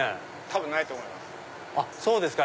多分ないと思います。